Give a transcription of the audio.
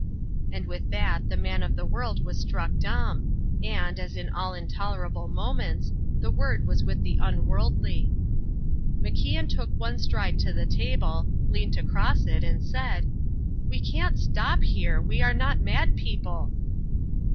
And with that the man of the world was struck dumb, and, as in all intolerable moments, the word was with the unworldly. MacIan took one stride to the table, leant across it, and said: "We can't stop here, we're not mad people!"